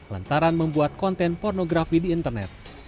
lantaran membuat konten pornografi di internet